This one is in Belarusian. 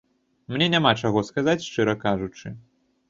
Мне няма чаго сказаць, шчыра кажучы.